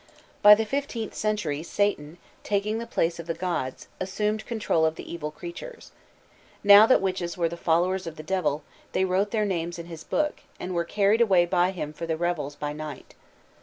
By the fifteenth century Satan, taking the place of the gods, assumed control of the evil creatures. Now that witches were the followers of the Devil, they wrote their names in his book, and were carried away by him for the revels by night.